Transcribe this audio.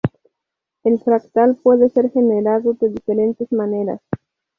El fractal puede ser generado de diferentes maneras.